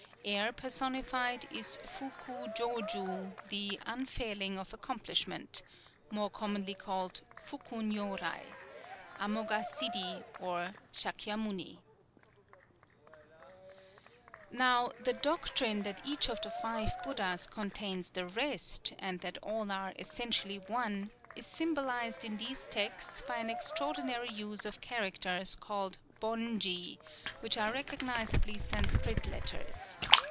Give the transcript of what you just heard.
Air personified is Fu kū jō ju, the "Unfailing of Accomplishment," more commonly called Fuku Nyōrai (Amoghasiddhi, or Sâkyamuni). Now the doctrine that each of the Five Buddhas contains the rest, and that all are essentially One, is symbolized in these texts by an extraordinary use of characters called Bon ji, which are recognizably Sanscrit letters.